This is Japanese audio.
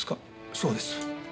そうです。